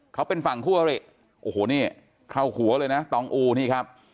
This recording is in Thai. เขาเป็นฝั่งคู่อริโอ้โหนี่เข้าหัวเลยนะตองอูนี่ครับ